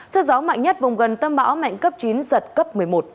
sức gió mạnh nhất vùng gần tâm bão mạnh cấp chín giật cấp một mươi một